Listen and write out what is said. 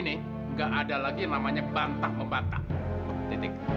nih dia udah beres